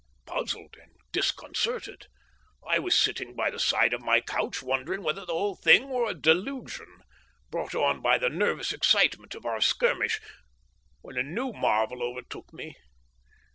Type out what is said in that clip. Puzzled and disconcerted, I was sitting by the side of my couch wondering whether the whole thing were a delusion, brought on by the nervous excitement of our skirmish, when a new marvel overtook me.